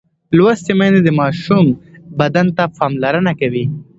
لوستې میندې د ماشوم بدن ته پاملرنه کوي.